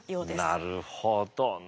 なるほどな。